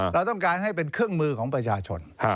เราต้องการให้เป็นเครื่องมือของประชาชน